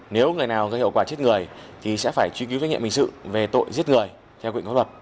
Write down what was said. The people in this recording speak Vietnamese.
nếu người nào gây hậu quả chết người thì sẽ phải truy cứu trách nhiệm bình sự về tội giết người theo quyền pháp luật